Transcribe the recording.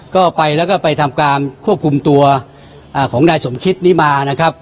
ก็ไปแล้วก็ไปทำการควบคุมตัวของนายสมคิดนี้มานะครับ